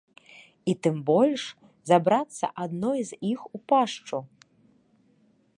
І тым больш забрацца адной з іх у пашчу.